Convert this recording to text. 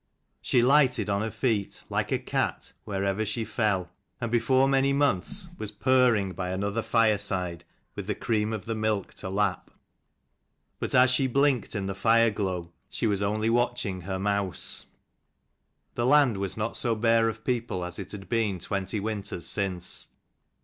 She lighted on her feet, like a cat, wherever she fell: and before many months was purring by another fireside, with the cream of the milk to lap. 271 But as she blinked in the fireglow, she was only watching her mouse. The land was not so bare of people as it had been twenty winters since.